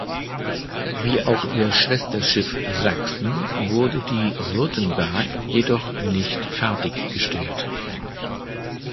Wie auch ihr Schwesterschiff "Sachsen" wurde die "Württemberg" jedoch nicht fertiggestellt.